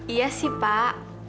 iya sih pak